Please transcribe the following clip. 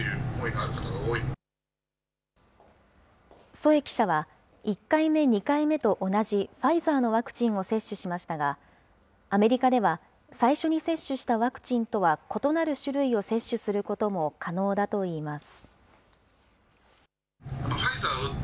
添記者は、１回目、２回目と同じファイザーのワクチンを接種しましたが、アメリカでは最初に接種したワクチンとは異なる種類を接種することも可能だといいます。